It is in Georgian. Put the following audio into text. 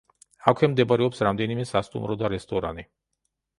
აქვე მდებარეობს რამდენიმე სასტუმრო და რესტორანი.